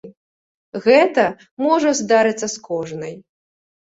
Гэта можа здарыцца з кожнай.